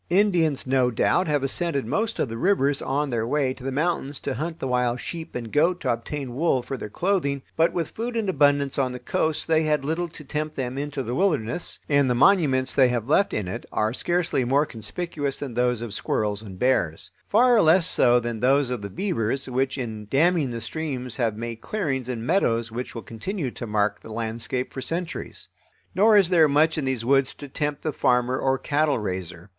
Indians, no doubt, have ascended most of the rivers on their way to the mountains to hunt the wild sheep and goat to obtain wool for their clothing, but with food in abundance on the coast they had little to tempt them into the wilderness, and the monuments they have left in it are scarcely more conspicuous than those of squirrels and bears; far less so than those of the beavers, which in damming the streams have made clearings and meadows which will continue to mark the landscape for centuries. Nor is there much in these woods to tempt the farmer or cattle raiser.